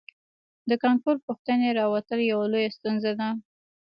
د کانکور پوښتنې راوتل یوه لویه ستونزه ده